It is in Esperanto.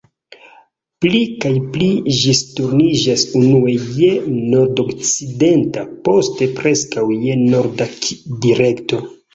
Pli kaj pli ĝi turniĝas unue je nordokcidenta, poste preskaŭ je norda direkto.